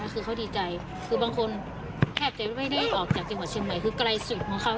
คือบอกว่าตีห้านาเราอยู่ไกล